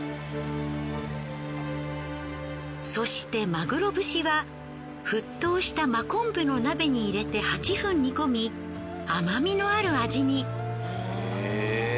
そしてまぐろ節は沸騰した真昆布の鍋に入れて８分煮込み甘みのある味に。